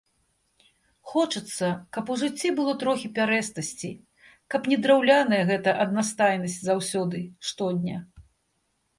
Хочацца, каб у жыцці было трохі пярэстасці, каб не драўляная гэтая аднастайнасць заўсёды, штодня.